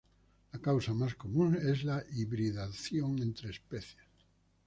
La causa más común es la hibridación entre especies.